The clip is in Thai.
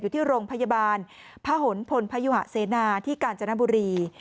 อยู่ที่โรงพยาบาลพะหนพลพยุหะเสนาที่กาญจนบุรี